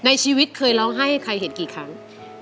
ในชีวิตเคยร้องไห้ให้ใครเห็นกี่ครั้ง